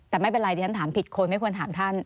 แต่ไม่เป็นไรดิฉันถามผิดคนไม่ควรถามท่าน